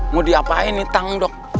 mau diapain nih tang dok